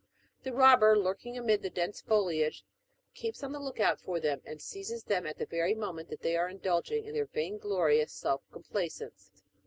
The robber, lurking amid the dense foliage, keeps on the look out for them, and seizes them at the very moment that they are indulging their vain glorious self complaisance.